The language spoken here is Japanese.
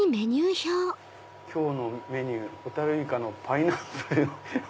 今日のメニュー「ホタルイカのパイナップル」。